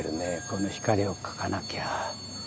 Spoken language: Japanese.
この光を描かなきゃ。